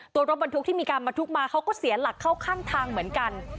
รถบรรทุกที่มีการบรรทุกมาเขาก็เสียหลักเข้าข้างทางเหมือนกัน